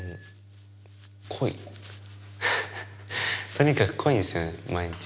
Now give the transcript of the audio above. とにかく濃いんですよね毎日。